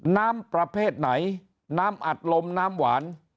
น้ำประเภทไหนน้ำอัดลมน้ำหวาน